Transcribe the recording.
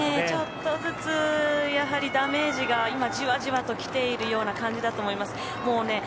ちょっとずつダメージが今じわじわときているような感じだと思います。